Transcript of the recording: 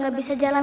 lalu tubuh terus